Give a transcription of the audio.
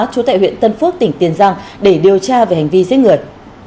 trú tại huyện tân phước tỉnh tiền giang để điều tra về hành vi giết người